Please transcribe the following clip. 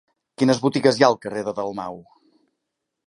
Quines botigues hi ha al carrer de Dalmau?